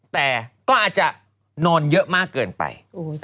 แต่ก็อาจจะนอนเยอะมากเกินไป